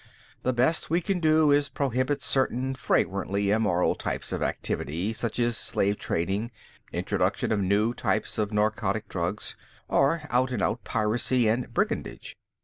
The best we can do is prohibit certain flagrantly immoral types of activity, such as slave trading, introduction of new types of narcotic drugs, or out and out piracy and brigandage.